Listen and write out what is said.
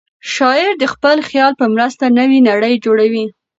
شاعر د خپل خیال په مرسته نوې نړۍ جوړوي.